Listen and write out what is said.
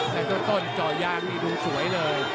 และก็ต้นจ่อย้างนี้ดูสวยเลย